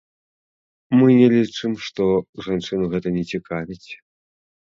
Мы не лічым, што жанчыну гэта не цікавіць.